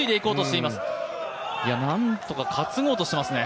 何とか担ごうとしていますね。